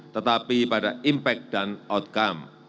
tetapi pada impact dan outcome